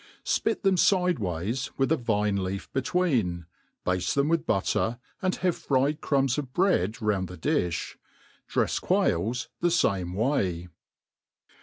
SPIT them fide way;s, with a vine leaf between ; bade them with butter, and have fried crumbs of bread round the difli. l^reft quails the fame way.